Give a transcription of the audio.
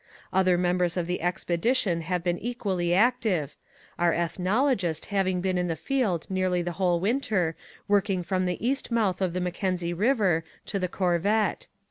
Other members of the expedi tion have been equally active, our ethnologist having been in the field nearly the whole winter working from the east mouth of the McKenzie River to the Corvette.